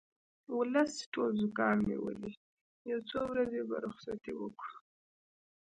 ولس ټول زوکام نیولی یو څو ورځې به رخصتي وکړو